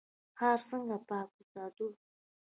ښار څنګه پاک وساتو؟